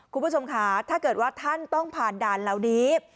คุณผู้ชมค่ะถ้าเกิดว่าท่านต้องผ่านด่านเหล่านี้